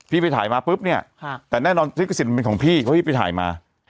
พี่ไปถ่ายมาปุ๊บเนี่ยแต่แน่นอนคลิปกฤษฐานเป็นของพี่เพราะว่าพี่ไปถ่ายมา